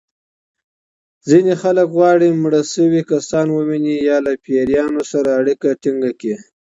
ځینې خلک غواړي مړه شوي کسان وویني یا له پېریانو سره اړیکه ټېنګه کړي.